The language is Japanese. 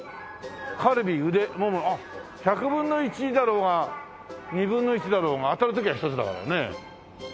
あっ１００分の１だろうが２分の１だろうが当たる時は一つだからね。